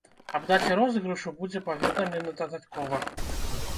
Аб даце розыгрышу будзе паведамлена дадаткова.